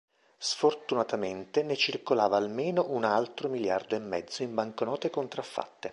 Sfortunatamente ne circolava almeno un altro miliardo e mezzo in banconote contraffatte.